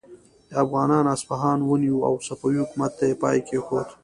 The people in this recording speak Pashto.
افغانانو اصفهان ونیو او صفوي حکومت ته یې پای کیښود.